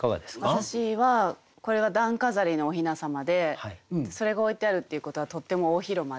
私はこれが段飾りのお雛様でそれが置いてあるっていうことはとっても大広間で。